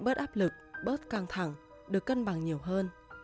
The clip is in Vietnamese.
biết đâu cuộc sống sẽ bớt áp lực bớt căng thẳng được cân bằng nhiều hơn